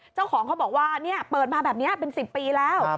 เจ้าของเขาบอกว่าเปิดมาแบบนี้เป็น๑๐ปีแล้ว